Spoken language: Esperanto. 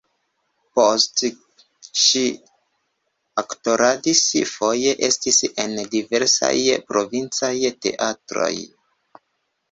Poste ŝi aktoradis, foje estris en diversaj provincaj teatroj.